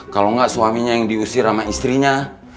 kalau enggak suaminya yang diusir sama istrinya